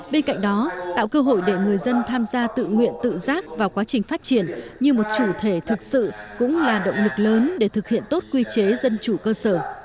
bên cạnh đó tạo cơ hội để người dân tham gia tự nguyện tự giác vào quá trình phát triển như một chủ thể thực sự cũng là động lực lớn để thực hiện tốt quy chế dân chủ cơ sở